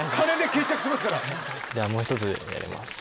ではもう１つやります。